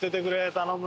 頼む！